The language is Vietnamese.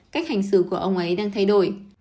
cách hành xử của ông ấy đang thay đổi